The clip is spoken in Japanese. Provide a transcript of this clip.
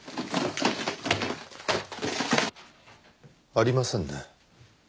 ありませんね。